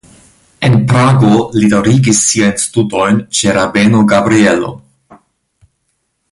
En Prago li daŭrigis siajn studojn ĉe rabeno Gabrielo.